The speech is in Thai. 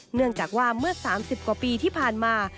เนื่องจากว่าเมื่อ๓๐กว่าปีที่ผ่านมา